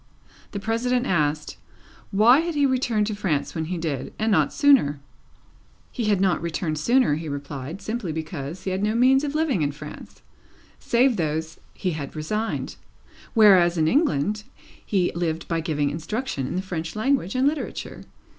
The President asked, why had he returned to France when he did, and not sooner? He had not returned sooner, he replied, simply because he had no means of living in France, save those he had resigned; whereas, in England, he lived by giving instruction in the French language and literature.